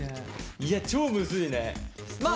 いや超むずいね。